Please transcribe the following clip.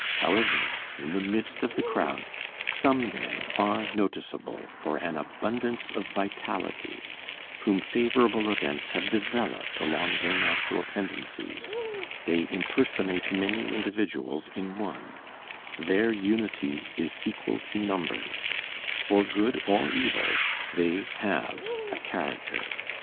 However, in the midst of the crowd, some men are noticeable for an abundance of vitality, whom favorable events have developed along their natural tendencies: they impersonate many individuals in one; their unity is equal to numbers; for good or evil, they have a character.